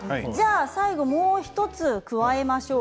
最後もう１つ加えましょう。